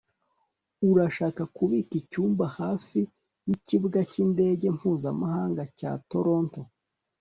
urashaka kubika icyumba hafi yikibuga cyindege mpuzamahanga cya toronto